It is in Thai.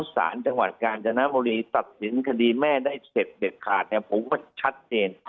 สารจังหวัดกาญจนบุรีตัดสินคดีแม่ได้เสร็จเด็ดขาดเนี่ยผมก็ชัดเจน